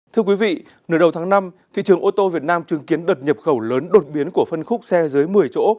thưa quý vị nửa đầu tháng năm thị trường ô tô việt nam chứng kiến đợt nhập khẩu lớn đột biến của phân khúc xe dưới một mươi chỗ